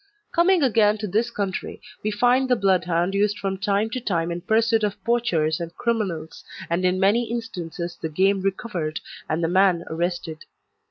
Coming again to this country, we find the Bloodhound used from time to time in pursuit of poachers and criminals, and in many instances the game recovered and the man arrested.